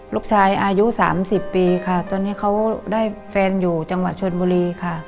ลูกชายอายุ๓๐ปีค่ะตอนนี้เขาได้แฟนอยู่จังหวัดชนบุรีค่ะ